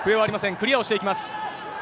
クリアをしていきます。